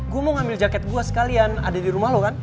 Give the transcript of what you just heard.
gue mau ngambil jaket gue sekalian ada dirumah lo kan